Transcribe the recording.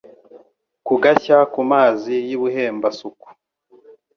Kugashya ku mazi y' i Buhemba-suku*,